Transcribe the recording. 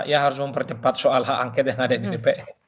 ya harus mempercepat soal hak angket yang ada di dpr